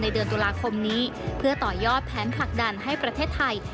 เดือนตุลาคมนี้เพื่อต่อยอดแผนผลักดันให้ประเทศไทย